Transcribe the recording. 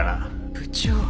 部長。